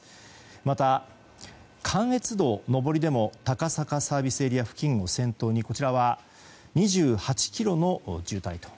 また、関越道上りでも高坂ＳＡ付近を先頭に２８ｋｍの渋滞と。